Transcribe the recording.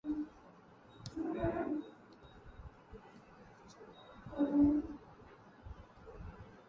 This was followed by engagements in Troppau.